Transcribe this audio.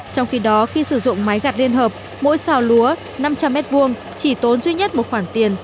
trong khi đó khi sử dụng máy gặt liên hợp mỗi xào lúa năm trăm linh m hai chỉ tốn duy nhất một khoản tiền